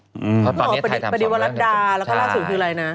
เพราะตอนนี้ถ่าย๓ส่วนแล้วพอดีวรัดดาแล้วก็ราสุรคืออะไรนะ